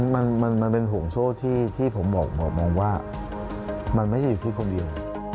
มันเป็นห่วงโชคที่ผมมองว่ามันไม่ใช่อยู่ที่คนเดียว